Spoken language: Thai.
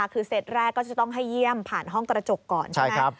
คือเซตแรกก็จะต้องให้เยี่ยมผ่านห้องกระจกก่อนใช่ไหม